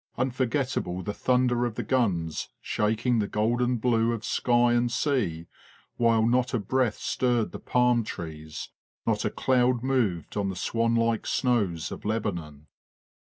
Unforget able the thunder of the guns shaking the golden blue of sky and sea, while not a breath stirred the palm trees, not a cloud moved on the swan like snows of Lebanon.